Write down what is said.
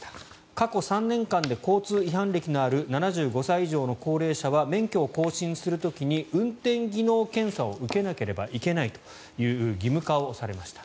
過去３年間で交通違反歴のある７５歳以上の高齢者は免許を更新する時に運転技能検査を受けなければいけないという義務化をされました。